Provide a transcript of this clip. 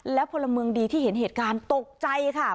และพลเมืองดีที่เห็นเหตุการณ์ตกใจค่ะ